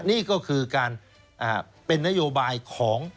นี่ก็คือการเป็นนโยบายของ